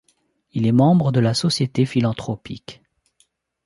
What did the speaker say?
Il est membre de la Société philanthropique.